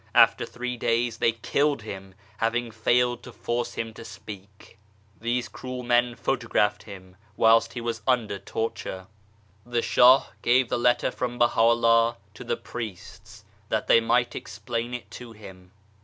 After three days they killed him, having failed to force him to speak ! These cruel men photographed him whilst he was under torture. 1 The Shah gave the letter from Baha'u'llah to the priests that they might explain it to him.